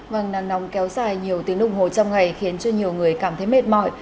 vâng nắng nóng kéo dài nhiều tiếng đồng hồ trong ngày khiến cho nhiều người cảm thấy mệt mỏi